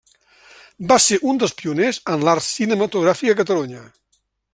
Va ser un dels pioners en l’art cinematogràfic a Catalunya.